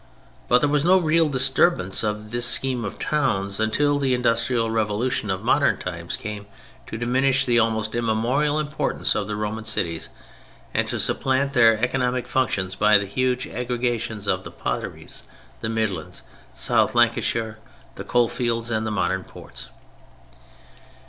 But there was no real disturbance of this scheme of towns until the industrial revolution of modern times came to diminish the almost immemorial importance of the Roman cities and to supplant their economic functions by the huge aggregations of the Potteries, the Midlands, South Lancashire, the coal fields and the modern ports.